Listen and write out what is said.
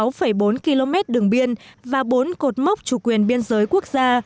trong năm qua với nhiệm vụ quản lý bảo vệ hơn sáu bốn km đường biên và bốn cột mốc chủ quyền biên giới quốc gia